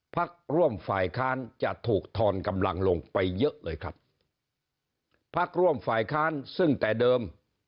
พักร่วมฝ่ายค้านจะถูกทอนกำลังลงไปเยอะเลยครับพักร่วมฝ่ายค้านซึ่งแต่เดิม